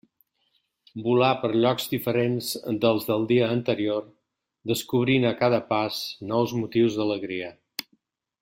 Volà per llocs diferents dels del dia anterior, descobrint, a cada pas, nous motius d'alegria.